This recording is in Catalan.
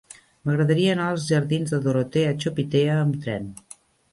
M'agradaria anar als jardins de Dorotea Chopitea amb tren.